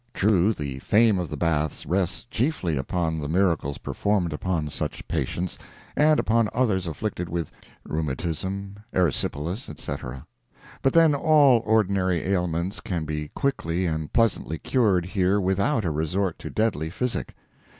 True, the fame of the baths rests chiefly upon the miracles performed upon such patients, and upon others afflicted with rheumatism, erysipelas, etc., but then all ordinary ailments can be quickly and pleasantly cured here without a resort to deadly physic.